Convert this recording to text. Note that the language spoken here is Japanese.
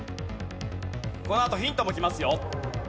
このあとヒントもきますよ。